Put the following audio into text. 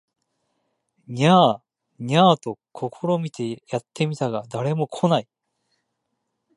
ニャー、ニャーと試みにやって見たが誰も来ない